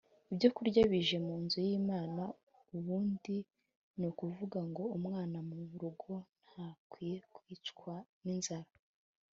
ibyo kurya bije mu nzu y’Imana ubundi ni ukuvuga ngo umwana mu rugo ntakwiye kwicwa n’inzara